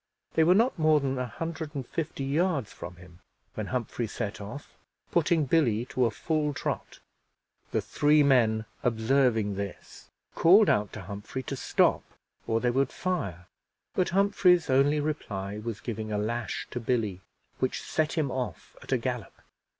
They were not more than a hundred and fifty yards from him when Humphrey set off, putting Billy to a full trot. The three men, observing this, called out to Humphrey to stop, or they would fire; but Humphrey's only reply was giving a lash to Billy, which set him off at a gallop.